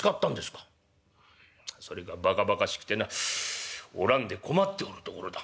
「それがばかばかしくてなおらんで困っておるところだ」。